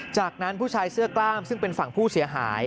จากนั้นผู้ชายเสื้อกล้ามซึ่งเป็นฝั่งผู้เสียหาย